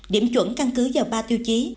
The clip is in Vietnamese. điểm chuẩn căn cứ vào ba tiêu chí